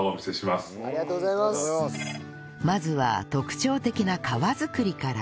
まずは特徴的な皮作りから